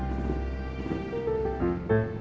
aku mau pergi